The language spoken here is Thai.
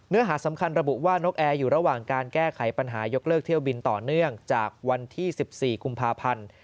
หาสำคัญระบุว่านกแอร์อยู่ระหว่างการแก้ไขปัญหายกเลิกเที่ยวบินต่อเนื่องจากวันที่๑๔กุมภาพันธ์